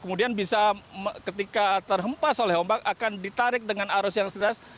kemudian bisa ketika terhempas oleh ombak akan ditarik dengan arus yang seras